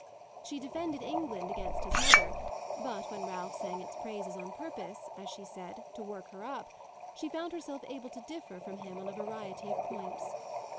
She defended England against his mother, but when Ralph sang its praises on purpose, as she said, to work her up, she found herself able to differ from him on a variety of points.